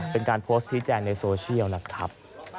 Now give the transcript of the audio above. เป็นการโพสต์ชี้แจงในโซเชียลนะครับ